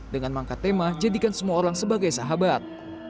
dengan mengangkat tema jadikan semua orang sebagai sahabat